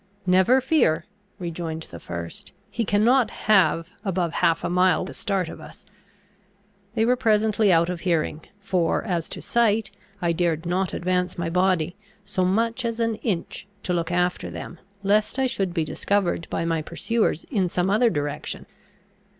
"Never fear!" rejoined the first; "he cannot have above half a mile the start of us." They were presently out of hearing; for, as to sight, I dared not advance my body, so much as an inch, to look after them, lest I should be discovered by my pursuers in some other direction.